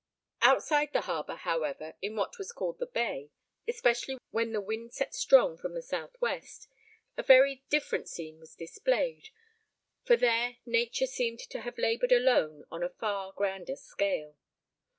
Outside the harbour, however, in what was called the bay, especially when the wind set strong from the southwest, a very different scene was displayed, for there nature seemed to have laboured alone on a far grander scale.